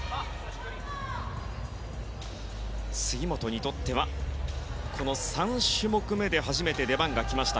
杉本にとってはこの３種目めで初めて出番がきました